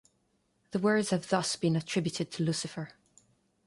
The words have thus been attributed to Lucifer.